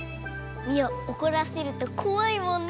ミオおこらせるとこわいもんね。